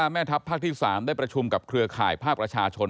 แม่ทัพภาคที่๓ได้ประชุมกับเครือข่ายภาคประชาชน